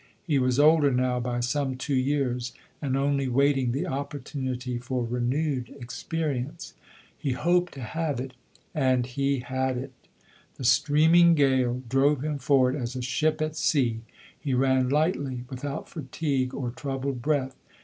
He was older now by some two years, and only waiting the opportunity for renewed experience. He hoped to have it and he had it. The streaming gale drove him forward as a ship at sea. He ran lightly, without fatigue or troubled breath.